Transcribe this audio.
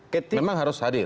memang harus hadir